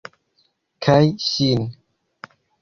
Kaj ŝin.